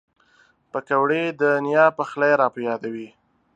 پکورې د نیا پخلی را په یادوي